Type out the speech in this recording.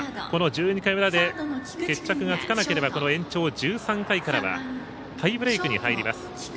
この１２回裏で決着がつかなければこの延長１３回からはタイブレークに入ります。